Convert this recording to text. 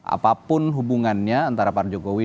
apapun hubungannya antara pak jokowi